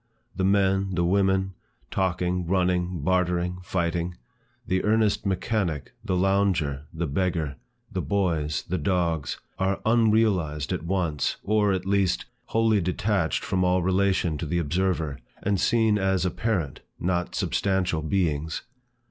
The men, the women, talking, running, bartering, fighting, the earnest mechanic, the lounger, the beggar, the boys, the dogs, are unrealized at once, or, at least, wholly detached from all relation to the observer, and seen as apparent, not substantial beings.